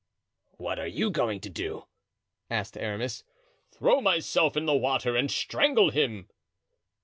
"What are you going to do?" asked Aramis. "Throw myself in the water and strangle him."